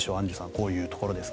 こういうところですが。